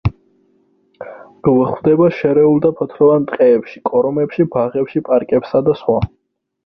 გვხვდება შერეულ და ფოთლოვან ტყეებში, კორომებში, ბაღებში, პარკებსა და სხვა.